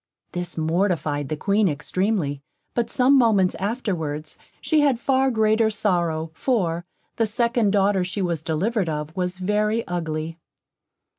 This mortified the Queen extreamly, but some moments afterwards she had far greater sorrow; for, the second daughter she was delivered of, was very ugly.